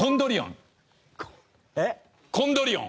コンドリオン！